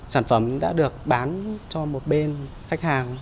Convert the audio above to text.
sản phẩm đã được bán cho một bên khách hàng